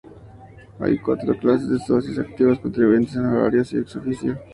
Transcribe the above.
Hay cuatros clases de socios: activos, contribuyentes, honorarios y ex-oficio.